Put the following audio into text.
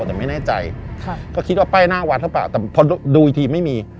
แต่ไม่แน่ใจก็คิดว่าป้ายหน้าวัดหรือเปล่าแต่พอดูอีกทีไม่มี